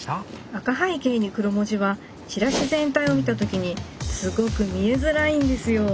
赤背景に黒文字はチラシ全体を見た時にすごく見えづらいんですよ。